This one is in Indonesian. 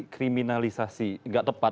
kriminalisasi tidak tepat